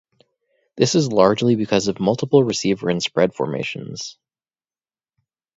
This is largely because of multiple receiver and spread formations.